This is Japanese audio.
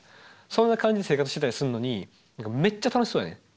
そんな感じで生活してたりするのにめっちゃ楽しそうやねん。